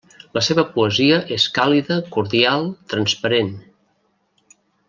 La seva poesia és càlida, cordial, transparent.